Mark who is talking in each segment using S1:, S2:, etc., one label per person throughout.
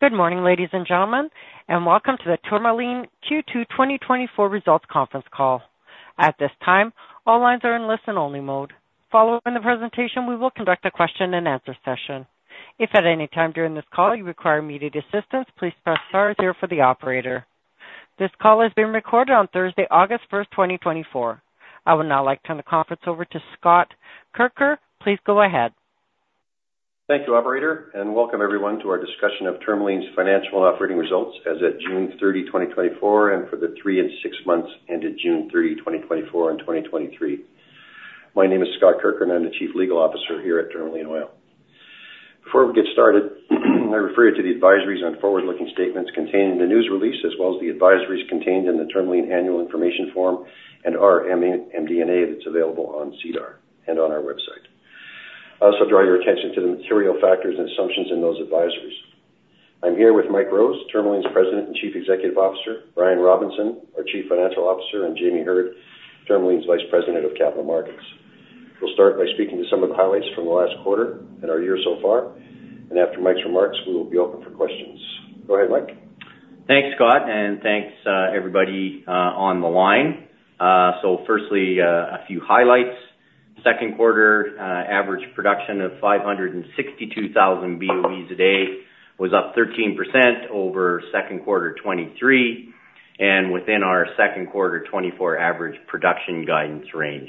S1: Good morning, ladies and gentlemen, and welcome to the Tourmaline Q2 2024 Results Conference Call. At this time, all lines are in listen-only mode. Following the presentation, we will conduct a question-and-answer session. If at any time during this call you require immediate assistance, please press star zero for the operator. This call is being recorded on Thursday, August 1st, 2024. I would now like to turn the conference over to Scott Kirker. Please go ahead.
S2: Thank you, operator, and welcome everyone to our discussion of Tourmaline's financial and operating results as of June 30, 2024, and for the 3 and 6 months ended June 30, 2024, and 2023. My name is Scott Kirker, and I'm the Chief Legal Officer here at Tourmaline Oil. Before we get started, I refer you to the advisories and forward-looking statements contained in the news release, as well as the advisories contained in the Tourmaline annual information form and our MD&A that's available on SEDAR and on our website. I also draw your attention to the material factors and assumptions in those advisories. I'm here with Mike Rose, Tourmaline's President and Chief Executive Officer, Brian Robinson, our Chief Financial Officer, and Jamie Heard, Tourmaline's Vice President of Capital Markets. We'll start by speaking to some of the highlights from the last quarter and our year so far, and after Mike's remarks, we will be open for questions. Go ahead, Mike.
S3: Thanks, Scott, and thanks, everybody on the line. Firstly, a few highlights. Second quarter average production of 562,000 BOEs a day was up 13% over second quarter 2023 and within our second quarter 2024 average production guidance range.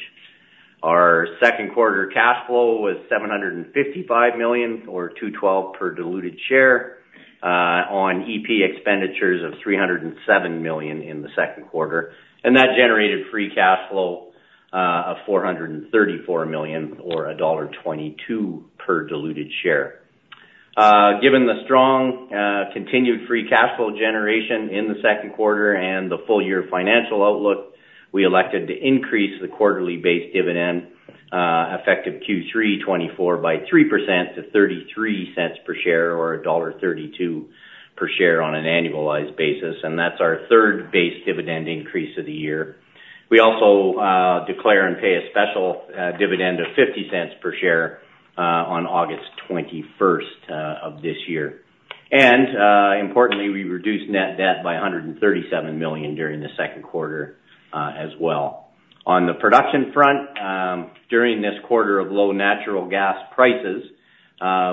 S3: Our second quarter cash flow was 755 million, or 2.12 dollars per diluted share, on EP expenditures of 307 million in the second quarter, and that generated free cash flow of 434 million, or dollar 1.22 per diluted share. Given the strong continued free cash flow generation in the second quarter and the full-year financial outlook, we elected to increase the quarterly base dividend effective Q3 2024 by 3% to 0.33 per share, or dollar 1.32 per share on an annualized basis, and that's our third base dividend increase of the year. We also declare and pay a special dividend of 0.50 per share on August 21st of this year. Importantly, we reduced net debt by 137 million during the second quarter as well. On the production front, during this quarter of low natural gas prices,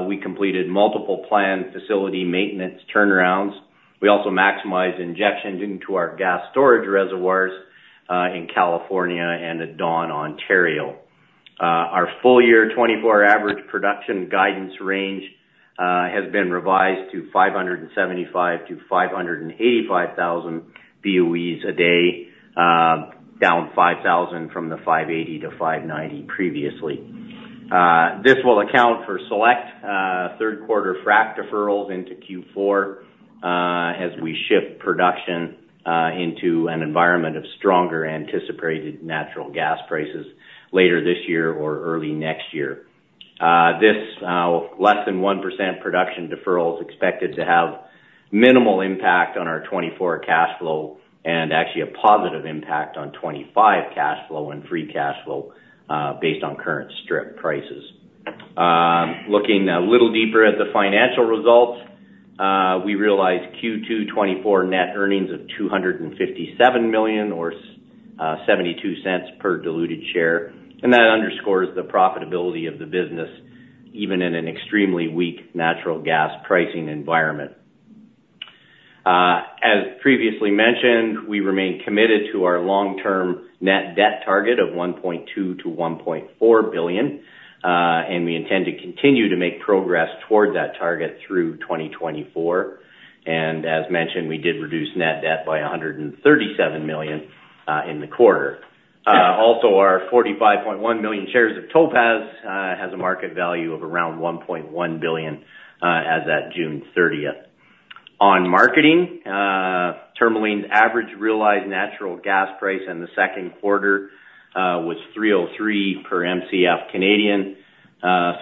S3: we completed multiple planned facility maintenance turnarounds. We also maximized injection into our gas storage reservoirs in California and at Dawn, Ontario. Our full-year 2024 average production guidance range has been revised to 575,000-585,000 BOEs a day, down 5,000 from the 580,000-590,000 previously. This will account for select third-quarter frac deferrals into Q4 as we shift production into an environment of stronger anticipated natural gas prices later this year or early next year. This less than 1% production deferral is expected to have minimal impact on our 2024 cash flow and actually a positive impact on 2025 cash flow and free cash flow based on current strip prices. Looking a little deeper at the financial results, we realized Q2 2024 net earnings of CAD 257 million, or 0.72 per diluted share, and that underscores the profitability of the business even in an extremely weak natural gas pricing environment. As previously mentioned, we remain committed to our long-term net debt target of 1.2 billion-1.4 billion, and we intend to continue to make progress toward that target through 2024. As mentioned, we did reduce net debt by 137 million in the quarter. Also, our 45.1 million shares of Topaz has a market value of around 1.1 billion as of June 30th. On marketing, Tourmaline's average realized natural gas price in the second quarter was 3.03 per MCF,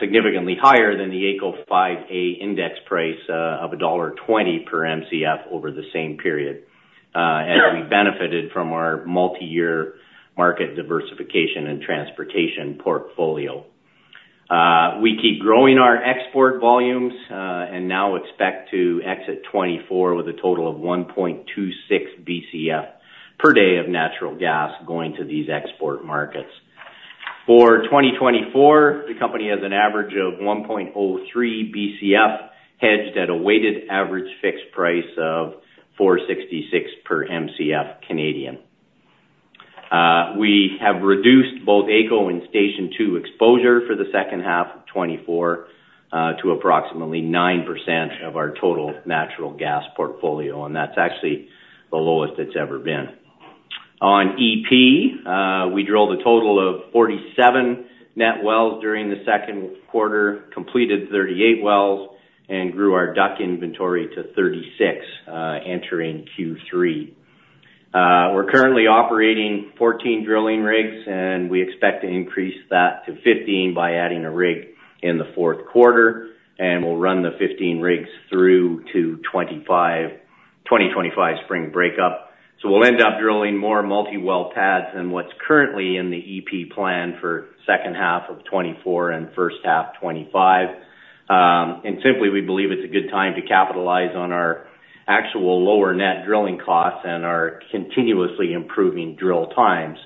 S3: significantly higher than the AECO 5A index price of CAD 1.20 per MCF over the same period, as we benefited from our multi-year market diversification and transportation portfolio. We keep growing our export volumes and now expect to exit 2024 with a total of 1.26 BCF per day of natural gas going to these export markets. For 2024, the company has an average of 1.03 BCF hedged at a weighted average fixed price of 466 per MCF Canadian. We have reduced both AECO and Station 2 exposure for the second half of 2024 to approximately 9% of our total natural gas portfolio, and that's actually the lowest it's ever been. On EP, we drilled a total of 47 net wells during the second quarter, completed 38 wells, and grew our DUC inventory to 36 entering Q3. We're currently operating 14 drilling rigs, and we expect to increase that to 15 by adding a rig in the fourth quarter, and we'll run the 15 rigs through to 2025 spring breakup. So we'll end up drilling more multi-well pads than what's currently in the EP plan for the second half of 2024 and first half of 2025. And simply, we believe it's a good time to capitalize on our actual lower net drilling costs and our continuously improving drill times.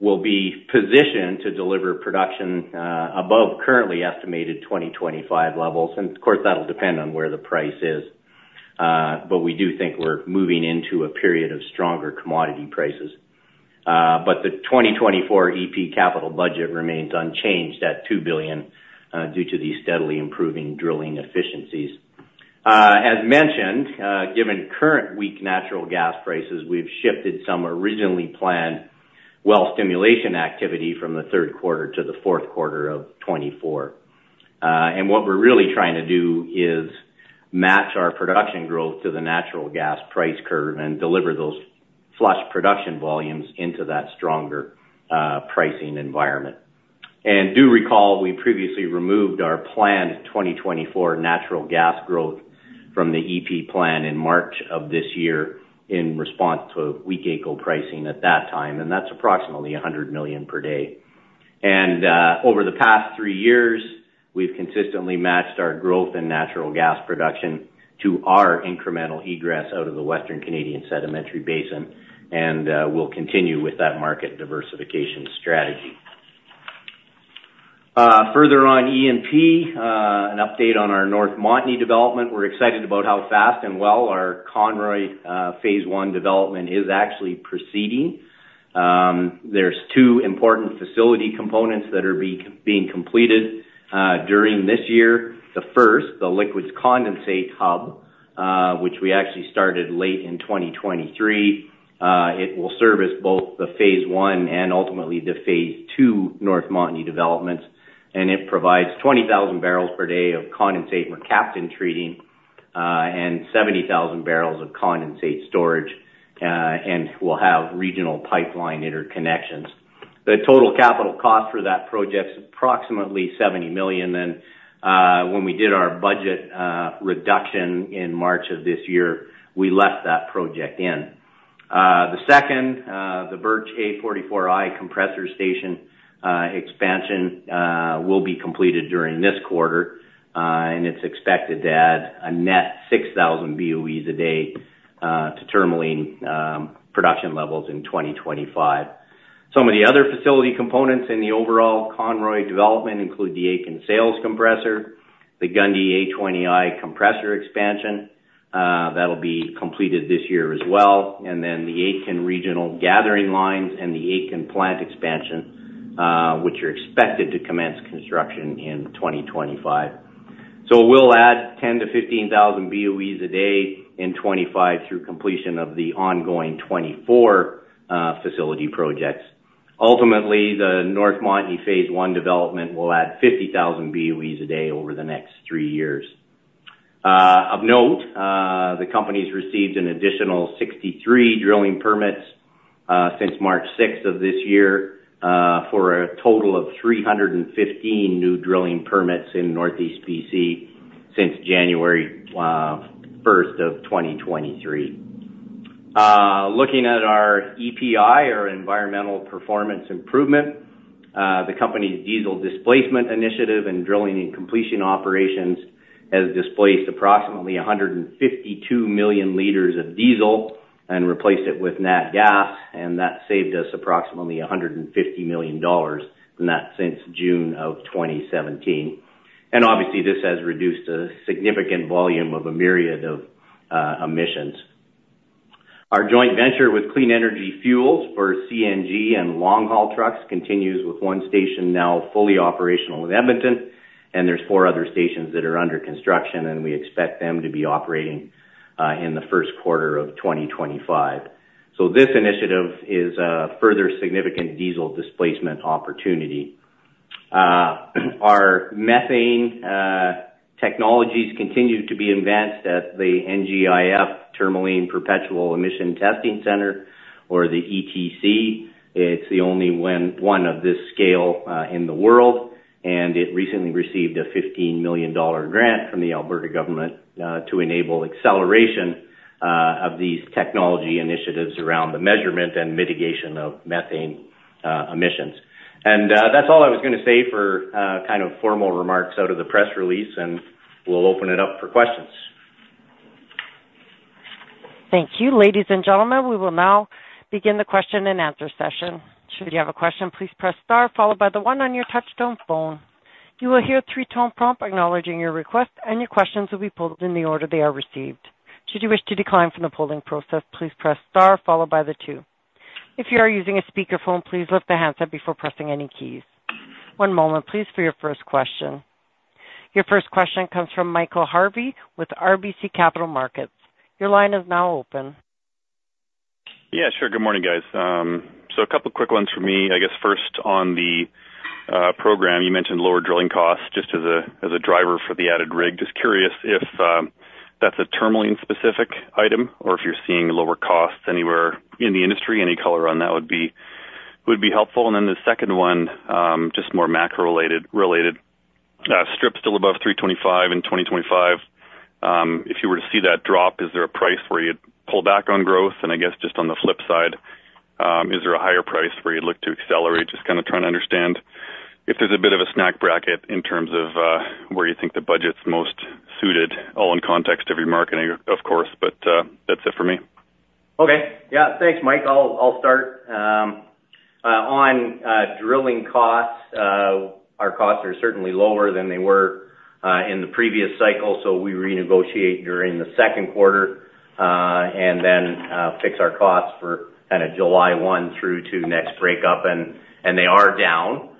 S3: We'll be positioned to deliver production above currently estimated 2025 levels, and of course, that'll depend on where the price is, but we do think we're moving into a period of stronger commodity prices. But the 2024 EP capital budget remains unchanged at 2 billion due to these steadily improving drilling efficiencies. As mentioned, given current weak natural gas prices, we've shifted some originally planned well stimulation activity from the third quarter to the fourth quarter of 2024. And what we're really trying to do is match our production growth to the natural gas price curve and deliver those flush production volumes into that stronger pricing environment. And do recall we previously removed our planned 2024 natural gas growth from the EP plan in March of this year in response to weak AECO pricing at that time, and that's approximately 100 million per day. And over the past three years, we've consistently matched our growth in natural gas production to our incremental egress out of the Western Canadian Sedimentary Basin, and we'll continue with that market diversification strategy. Further on E&P, an update on our North Montney development. We're excited about how fast and well our Conroy phase one development is actually proceeding. There's two important facility components that are being completed during this year. The first, the liquids condensate hub, which we actually started late in 2023. It will service both the phase one and ultimately the phase two North Montney developments, and it provides 20,000 barrels per day of condensate mercaptan treating and 70,000 barrels of condensate storage, and we'll have regional pipeline interconnections. The total capital cost for that project is approximately 70 million. Then, when we did our budget reduction in March of this year, we left that project in. The second, the Birch A44I compressor station expansion will be completed during this quarter, and it's expected to add a net 6,000 BOEs a day to Tourmaline production levels in 2025. Some of the other facility components in the overall Conroy development include the Aiken Sales compressor, the Gundy A20I compressor expansion that'll be completed this year as well, and then the Aiken regional gathering lines and the Aiken plant expansion, which are expected to commence construction in 2025. So we'll add 10,000-15,000 BOEs a day in 2025 through completion of the ongoing 2024 facility projects. Ultimately, the North Montney phase one development will add 50,000 BOEs a day over the next three years. Of note, the company's received an additional 63 drilling permits since March 6th of this year for a total of 315 new drilling permits in Northeast BC since January 1st of 2023. Looking at our EPI, our environmental performance improvement, the company's diesel displacement initiative and drilling and completion operations has displaced approximately 152 million liters of diesel and replaced it with natural gas, and that saved us approximately 150 million dollars in that since June of 2017. And obviously, this has reduced a significant volume of a myriad of emissions. Our joint venture with Clean Energy Fuels for CNG and long-haul trucks continues with one station now fully operational in Edmonton, and there's four other stations that are under construction, and we expect them to be operating in the first quarter of 2025. So this initiative is a further significant diesel displacement opportunity. Our methane technologies continue to be advanced at the NGIF Tourmaline Perpetual Emissions Testing Centre, or the ETC. It's the only one of this scale in the world, and it recently received a 15 million dollar grant from the Alberta government to enable acceleration of these technology initiatives around the measurement and mitigation of methane emissions. And that's all I was going to say for kind of formal remarks out of the press release, and we'll open it up for questions.
S1: Thank you, ladies and gentlemen. We will now begin the question and answer session. Should you have a question, please press star, followed by the one on your touch-tone phone. You will hear a 3-tone prompt acknowledging your request, and your questions will be pulled in the order they are received. Should you wish to decline from the polling process, please press star, followed by the two. If you are using a speakerphone, please lift the handset before pressing any keys. One moment, please, for your first question. Your first question comes from Michael Harvey with RBC Capital Markets. Your line is now open.
S4: Yeah, sure. Good morning, guys. So a couple of quick ones for me. I guess first, on the program, you mentioned lower drilling costs just as a driver for the added rig. Just curious if that's a Tourmaline-specific item or if you're seeing lower costs anywhere in the industry. Any color on that would be helpful. And then the second one, just more macro-related. Strip still above 325 in 2025. If you were to see that drop, is there a price where you'd pull back on growth? And I guess just on the flip side, is there a higher price where you'd look to accelerate? Just kind of trying to understand if there's a bit of a snack bracket in terms of where you think the budget's most suited, all in context of your marketing, of course. But that's it for me.
S5: Okay. Yeah. Thanks, Mike. I'll start. On drilling costs, our costs are certainly lower than they were in the previous cycle, so we renegotiate during the second quarter and then fix our costs for kind of July 1 through to next breakup, and they are down.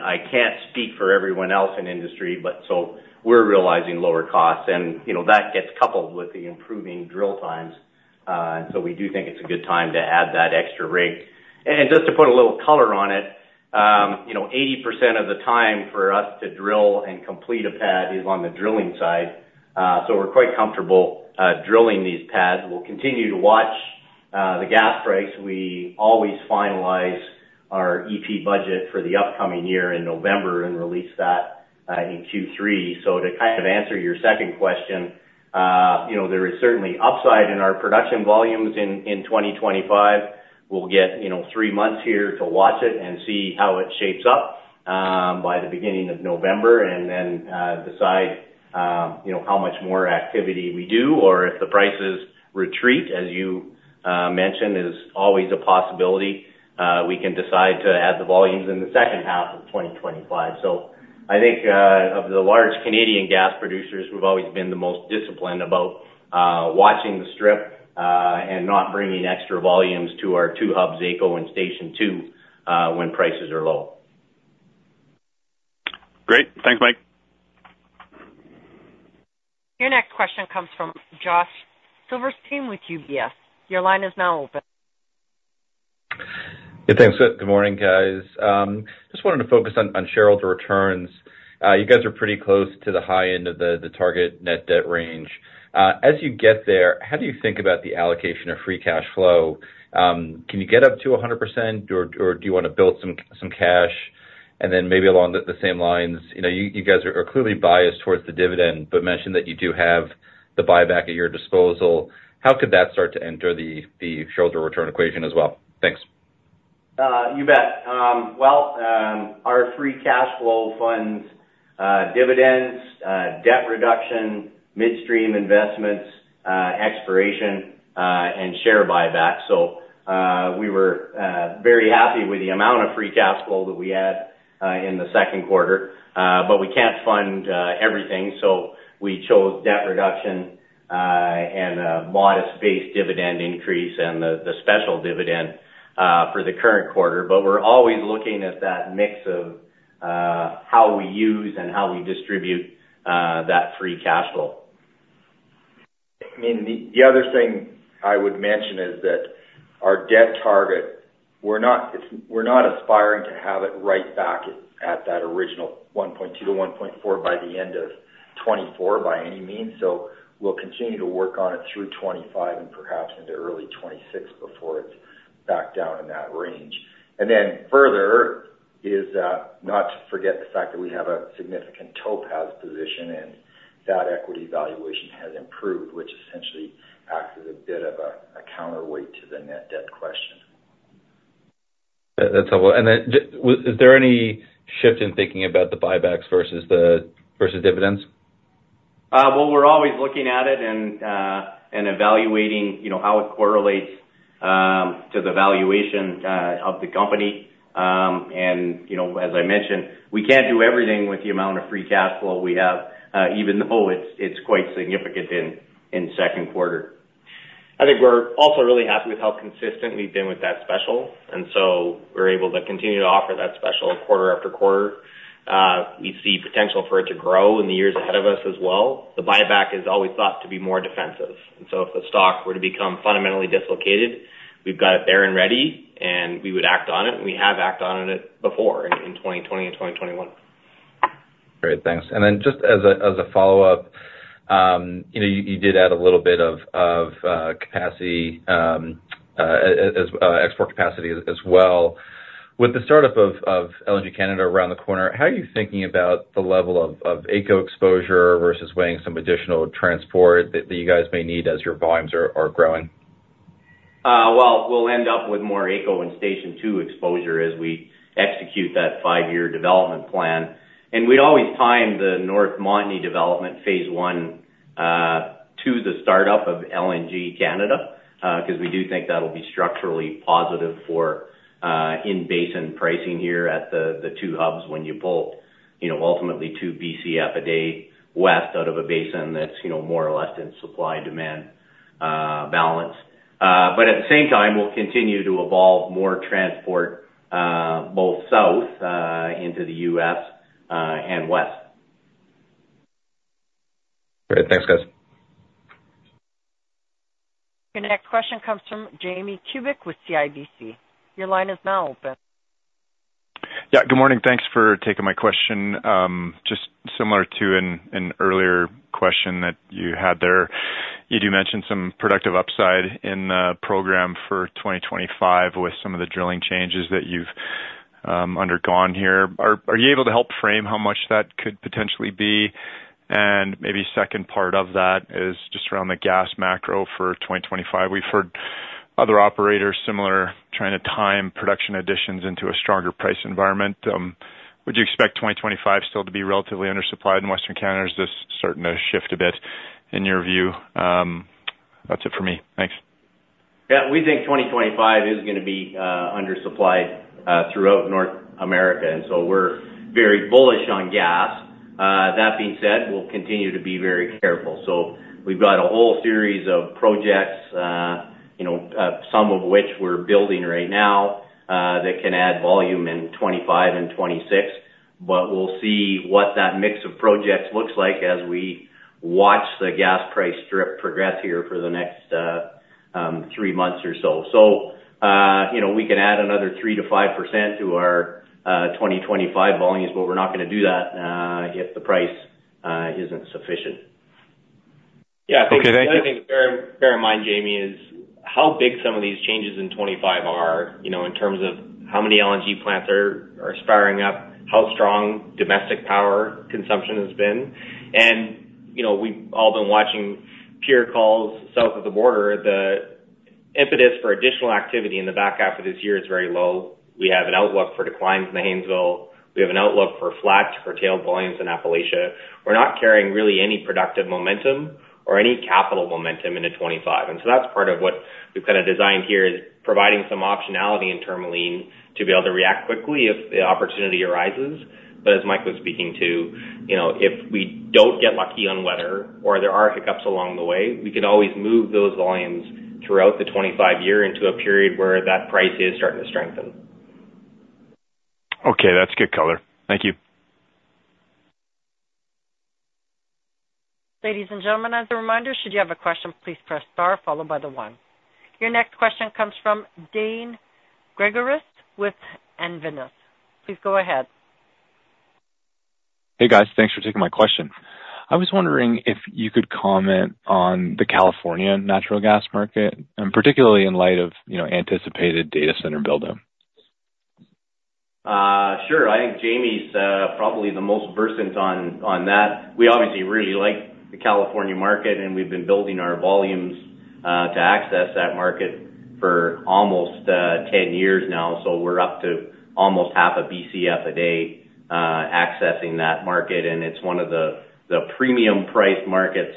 S5: I can't speak for everyone else in industry, but so we're realizing lower costs, and that gets coupled with the improving drill times. So we do think it's a good time to add that extra rig. And just to put a little color on it, 80% of the time for us to drill and complete a pad is on the drilling side. So we're quite comfortable drilling these pads. We'll continue to watch the gas price. We always finalize our EP budget for the upcoming year in November and release that in Q3. So to kind of answer your second question, there is certainly upside in our production volumes in 2025. We'll get three months here to watch it and see how it shapes up by the beginning of November and then decide how much more activity we do. Or if the prices retreat, as you mentioned, is always a possibility, we can decide to add the volumes in the second half of 2025. So I think of the large Canadian gas producers, we've always been the most disciplined about watching the strip and not bringing extra volumes to our two hubs, AECO and Station 2, when prices are low.
S4: Great. Thanks, Mike.
S1: Your next question comes from Josh Silverstein with UBS. Your line is now open.
S6: Yeah, thanks. Good morning, guys. Just wanted to focus on shareholder returns. You guys are pretty close to the high end of the target net debt range. As you get there, how do you think about the allocation of free cash flow? Can you get up to 100%, or do you want to build some cash? And then maybe along the same lines, you guys are clearly biased towards the dividend, but mentioned that you do have the buyback at your disposal. How could that start to enter the shareholder return equation as well? Thanks.
S3: You bet. Well, our free cash flow funds, dividends, debt reduction, midstream investments, expiration, and share buyback. So we were very happy with the amount of free cash flow that we had in the second quarter, but we can't fund everything. So we chose debt reduction and a modest-based dividend increase and the special dividend for the current quarter. But we're always looking at that mix of how we use and how we distribute that free cash flow. I mean, the other thing I would mention is that our debt target, we're not aspiring to have it right back at that original 1.2-1.4 by the end of 2024 by any means. So we'll continue to work on it through 2025 and perhaps into early 2026 before it's back down in that range. And then further is not to forget the fact that we have a significant Topaz position, and that equity valuation has improved, which essentially acts as a bit of a counterweight to the net debt question.
S6: That's helpful. And then is there any shift in thinking about the buybacks versus dividends?
S5: Well, we're always looking at it and evaluating how it correlates to the valuation of the company. And as I mentioned, we can't do everything with the amount of free cash flow we have, even though it's quite significant in second quarter. I think we're also really happy with how consistent we've been with that special. And so we're able to continue to offer that special quarter after quarter. We see potential for it to grow in the years ahead of us as well. The buyback is always thought to be more defensive. And so if the stock were to become fundamentally dislocated, we've got it there and ready, and we would act on it. And we have acted on it before in 2020 and 2021.
S6: Great. Thanks. And then just as a follow-up, you did add a little bit of capacity, export capacity as well. With the startup of LNG Canada around the corner, how are you thinking about the level of AECO exposure versus weighing some additional transport that you guys may need as your volumes are growing?
S3: Well, we'll end up with more AECO and Station 2 exposure as we execute that 5-year development plan. And we'd always time the North Montney development phase one to the startup of LNG Canada because we do think that'll be structurally positive for in-basin pricing here at the two hubs when you pull ultimately 2 BCF a day west out of a basin that's more or less in supply-demand balance. But at the same time, we'll continue to evolve more transport both south into the U.S. and west.
S6: Great. Thanks, guys.
S1: Your next question comes from Jamie Kubik with CIBC. Your line is now open.
S7: Yeah. Good morning. Thanks for taking my question. Just similar to an earlier question that you had there, you do mention some productive upside in the program for 2025 with some of the drilling changes that you've undergone here. Are you able to help frame how much that could potentially be? And maybe second part of that is just around the gas macro for 2025. We've heard other operators similar trying to time production additions into a stronger price environment. Would you expect 2025 still to be relatively undersupplied in Western Canada? Is this starting to shift a bit in your view? That's it for me. Thanks.
S3: Yeah. We think 2025 is going to be undersupplied throughout North America, and so we're very bullish on gas. That being said, we'll continue to be very careful. So we've got a whole series of projects, some of which we're building right now that can add volume in 2025 and 2026, but we'll see what that mix of projects looks like as we watch the gas price strip progress here for the next three months or so. So we can add another 3%-5% to our 2025 volumes, but we're not going to do that if the price isn't sufficient. Yeah.
S7: Okay. Thank you.
S5: I think bear in mind, Jamie, is how big some of these changes in 2025 are in terms of how many LNG plants are springing up, how strong domestic power consumption has been. And we've all been watching peer calls south of the border. The impetus for additional activity in the back half of this year is very low. We have an outlook for declines in the Haynesville. We have an outlook for flat to curtailed volumes in Appalachia. We're not carrying really any productive momentum or any capital momentum into 2025. And so that's part of what we've kind of designed here is providing some optionality in Tourmaline to be able to react quickly if the opportunity arises. But as Mike was speaking to, if we don't get lucky on weather or there are hiccups along the way, we can always move those volumes throughout the 2025 year into a period where that price is starting to strengthen.
S7: Okay. That's good color. Thank you.
S1: Ladies and gentlemen, as a reminder, should you have a question, please press star, followed by the one. Your next question comes from Dane Gregoris with Enverus. Please go ahead.
S8: Hey, guys. Thanks for taking my question. I was wondering if you could comment on the California natural gas market, and particularly in light of anticipated data center building.
S3: Sure. I think Jamie's probably the most versed on that. We obviously really like the California market, and we've been building our volumes to access that market for almost 10 years now. So we're up to almost half a BCF a day accessing that market, and it's one of the premium-priced markets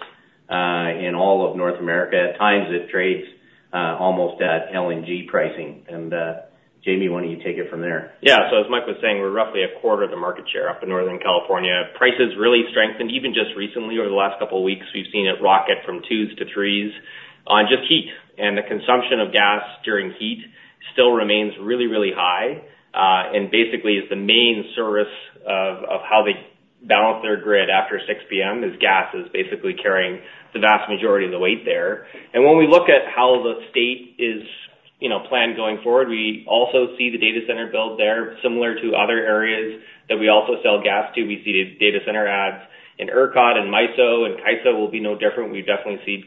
S3: in all of North America. At times, it trades almost at LNG pricing. And Jamie, why don't you take it from there?
S9: Yeah. So as Mike was saying, we're roughly a quarter of the market share up in Northern California. Prices really strengthened even just recently. Over the last couple of weeks, we've seen it rocket from CAD 2s-CAD 3s on just heat. And the consumption of gas during heat still remains really, really high. And basically, the main source of how they balance their grid after 6:00 P.M. is gas is basically carrying the vast majority of the weight there. And when we look at how the state is planned going forward, we also see the data center build there. Similar to other areas that we also sell gas to, we see data center adds in ERCOT and MISO, and CAISO will be no different. We definitely see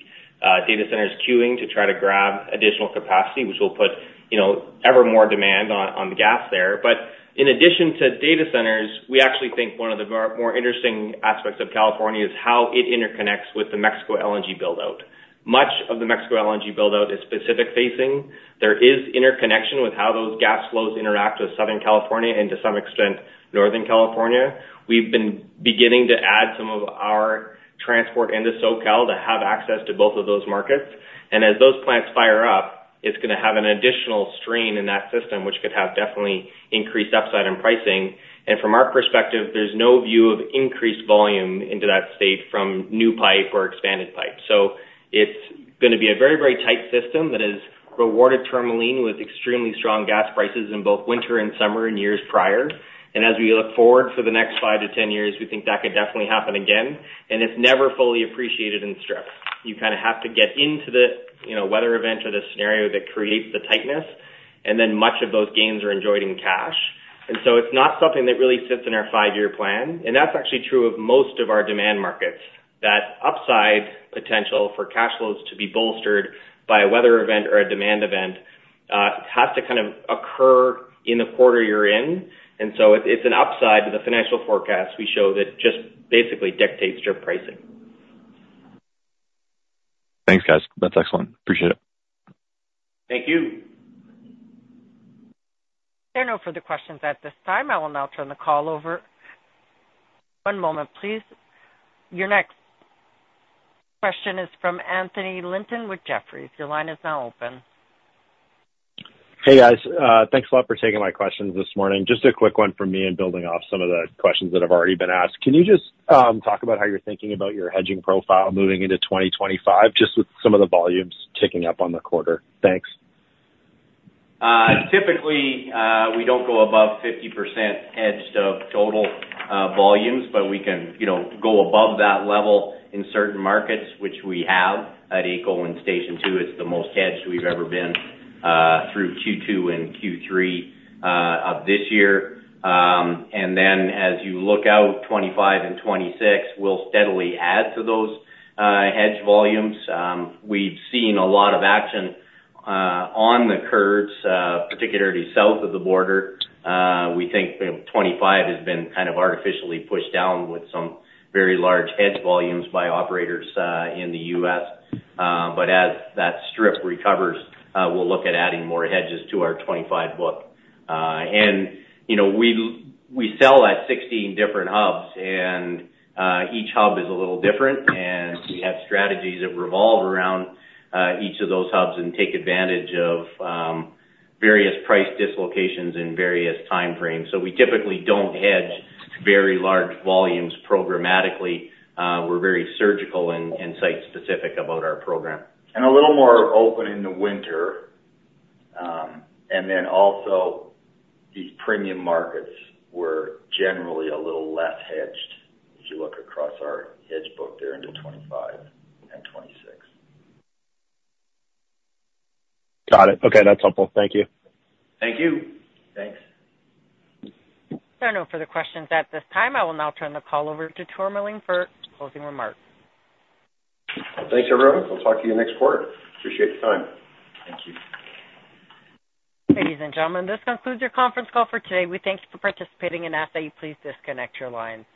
S9: data centers queuing to try to grab additional capacity, which will put ever more demand on the gas there. But in addition to data centers, we actually think one of the more interesting aspects of California is how it interconnects with the Mexico LNG buildout. Much of the Mexico LNG buildout is Pacific-facing. There is interconnection with how those gas flows interact with Southern California and, to some extent, Northern California. We've been beginning to add some of our transport into SoCal to have access to both of those markets. And as those plants fire up, it's going to have an additional strain in that system, which could have definitely increased upside in pricing. And from our perspective, there's no view of increased volume into that state from new pipe or expanded pipe. So it's going to be a very, very tight system that has rewarded Tourmaline with extremely strong gas prices in both winter and summer in years prior. As we look forward for the next 5-10 years, we think that could definitely happen again. It's never fully appreciated in strip. You kind of have to get into the weather event or the scenario that creates the tightness, and then much of those gains are enjoyed in cash. So it's not something that really sits in our five-year plan. That's actually true of most of our demand markets. That upside potential for cash flows to be bolstered by a weather event or a demand event has to kind of occur in the quarter you're in. It's an upside to the financial forecast we show that just basically dictates strip pricing.
S8: Thanks, guys. That's excellent. Appreciate it.
S9: Thank you.
S1: There are no further questions at this time. I will now turn the call over. One moment, please. Your next question is from Anthony Linton with Jefferies. Your line is now open.
S10: Hey, guys. Thanks a lot for taking my questions this morning. Just a quick one from me and building off some of the questions that have already been asked. Can you just talk about how you're thinking about your hedging profile moving into 2025, just with some of the volumes ticking up on the quarter? Thanks.
S3: Typically, we don't go above 50% hedged of total volumes, but we can go above that level in certain markets, which we have at AECO and Station 2. It's the most hedged we've ever been through Q2 and Q3 of this year. And then as you look out 2025 and 2026, we'll steadily add to those hedge volumes. We've seen a lot of action on the curves, particularly south of the border. We think 2025 has been kind of artificially pushed down with some very large hedge volumes by operators in the U.S. But as that strip recovers, we'll look at adding more hedges to our 2025 book. And we sell at 16 different hubs, and each hub is a little different. And we have strategies that revolve around each of those hubs and take advantage of various price dislocations in various time frames. So we typically don't hedge very large volumes programmatically. We're very surgical and site-specific about our program. A little more open in the winter. Then also, these premium markets were generally a little less hedged if you look across our hedge book there into 2025 and 2026.
S10: Got it. Okay. That's helpful. Thank you.
S3: Thank you. Thanks.
S1: There are no further questions at this time. I will now turn the call over to Tourmaline for closing remarks.
S2: Thanks, everyone. We'll talk to you next quarter. Appreciate your time.
S3: Thank you.
S1: Ladies and gentlemen, this concludes your conference call for today. We thank you for participating and ask that you please disconnect your lines.